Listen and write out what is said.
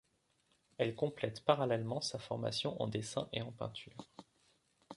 Elle complète parallèlement sa formation en dessin et en peinture.